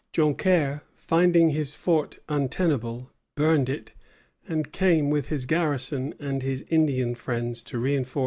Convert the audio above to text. Joncaire, finding his fort untenable, burned it, and came with his garrison and his Indian friends to reinforce Niagara.